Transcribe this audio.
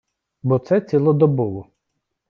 Бо це цілодобово.